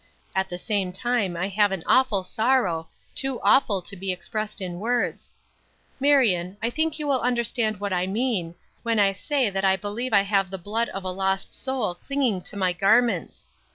At the same time I have an awful sorrow, too awful to be expressed in words. "Marion, I think you will understand what I mean when I say that I believe I have the blood of a lost soul clinging to my garments.